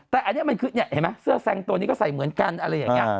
แต่อันนี้มันคือเนี่ยเห็นไหมเสื้อแซงตัวนี้ก็ใส่เหมือนกันอะไรอย่างนี้